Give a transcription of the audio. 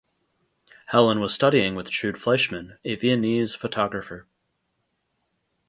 Helen was studying with Trude Fleischmann, a Viennese photographer.